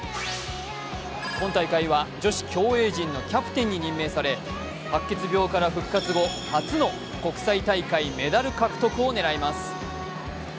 今大会は女子競泳陣のキャプテンに任命され、白血病から復活後初の国際大会メダル獲得を狙います。